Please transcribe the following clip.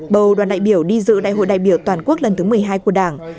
bầu đoàn đại biểu đi dự đại hội đại biểu toàn quốc lần thứ một mươi hai của đảng